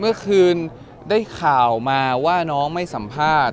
เมื่อคืนได้ข่าวมาว่าน้องไม่สัมภาษณ์